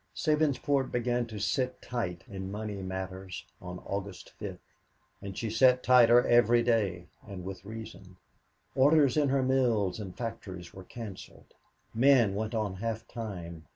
Sabinsport began to "sit tight" in money matters on August 5th and she sat tighter every day and with reason. Orders in her mills and factories were canceled. Men went on half time.